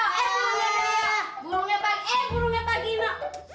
eh burungnya pak gino